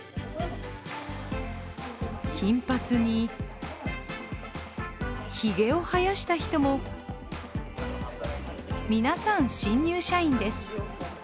金髪に、ひげを生やした人も、皆さん新入社員です。